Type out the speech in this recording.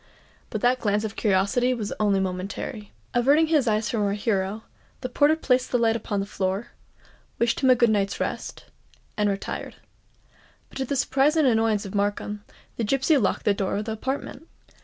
But that glance of curiosity was only momentary. Averting his eyes from our hero, the porter placed the light upon the floor, wished him a good night's rest, and retired. But to the surprise and annoyance of Markham, the gipsy locked the door of the apartment.